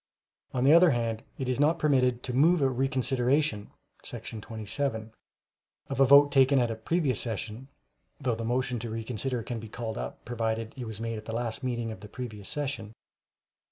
On the other hand, it is not permitted to move a reconsideration [§ 27] of a vote taken at a previous session [though the motion to reconsider can be called up, provided it was made at the last meeting of the previous session.